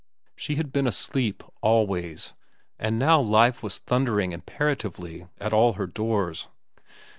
She had been asleep, always, and now life was thundering imperatively at all her doors.